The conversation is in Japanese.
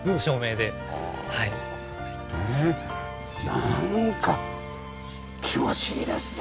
なんか気持ちいいですね